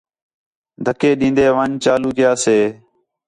دَھکّے ݙین٘دے ون٘ڄ چالو کَیا سے